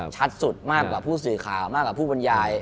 ชัดสุดมากกว่าผู้สื่อข่าวมากกว่าผู้บรรยาย